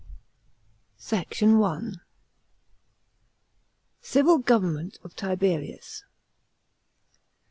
SECT. I. — CIVIL GOVERNMENT OF TIBERIUS.